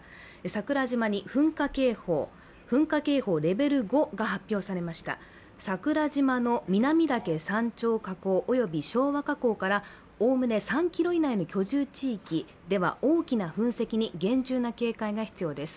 桜島に噴火警報レベル５が発表されました桜島の南岳山頂火口及び昭和火口からおおむね３キロ以内に居住地域では大きな噴石に厳重な警戒が必要です